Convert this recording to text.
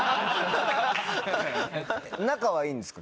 仲はいいんですか？